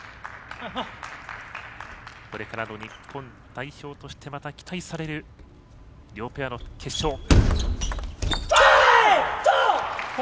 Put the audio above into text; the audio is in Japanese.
これからの日本代表としてまた期待される両ペアの決勝。